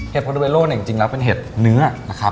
เห็ดพอร์โดเวโรนเป็นเห็ดเนื้อ